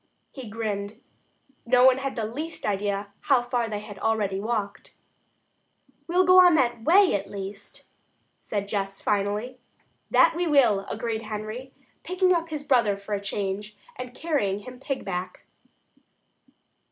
He grinned. No one had the least idea how far they had already walked. "We'll go that way at least," said Jess finally. "That we will," agreed Henry, picking up his brother for a change, and carrying him "pig back."